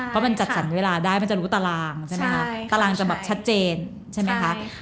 เพราะมันจัดสรรเวลาได้มันจะรู้ตารางใช่ไหมคะตารางจะแบบชัดเจนใช่ไหมคะ